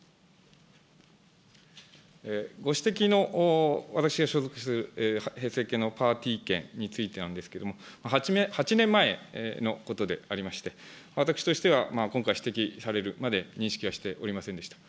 ご指摘の、私が所属するへいせい研のパーティー券についてなんですけども、８年前のことでありまして、私としては今回、指摘されるまで、認識はしておりませんでした。